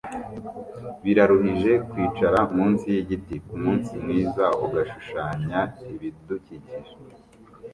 Biraruhije kwicara munsi yigiti kumunsi mwiza ugashushanya ibidukikije